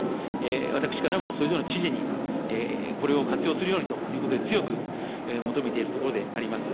私からもそれぞれの知事に、これを活用するようにということで、強く求めているところであります。